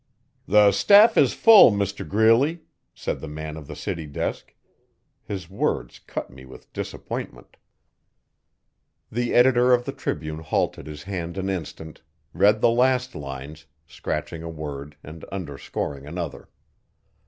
'The staff is full, Mr Greeley,' said the man of the city desk. His words cut me with disappointment. The editor of the Tribune halted his hand an instant, read the last lines, scratching a word and underscoring another.